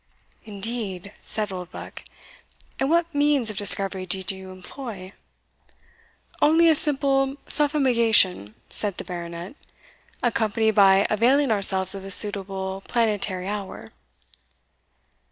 "Indeed!" said Oldbuck; "and what means of discovery did you employ?" "Only a simple suffumigation," said the Baronet, "accompanied by availing ourselves of the suitable planetary hour."